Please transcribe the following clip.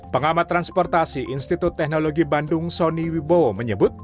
pengamat transportasi institut teknologi bandung sony wibowo menyebut